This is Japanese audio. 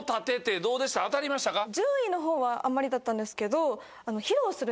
順位のほうはあんまりだったんですけど。